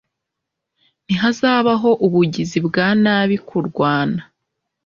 ntihazabaho ubugizi bwa nabi kurwana